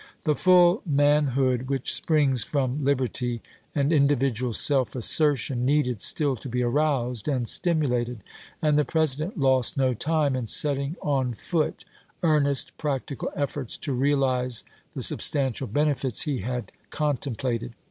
The full manhood which springs from liberty and individual self assertion needed still to be aroused and stimulated ; and the President lost no time in setting on foot earnest practical efforts to realize the substantial benefits he had contem plated.